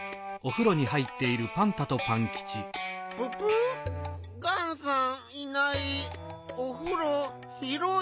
ププガンさんいないおふろひろい。